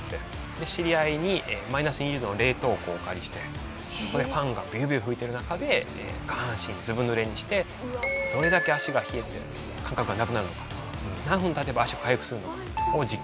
で知り合いにマイナス２０度の冷凍庫をお借りしてそこでファンがビュービュー吹いてる中で下半身ずぶ濡れにしてどれだけ足が冷えて感覚がなくなるのか何分経てば足が回復するのかを実験しました。